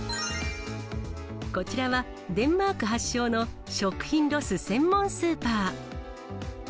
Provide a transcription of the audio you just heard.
こちらは、デンマーク発祥の食品ロス専門スーパー。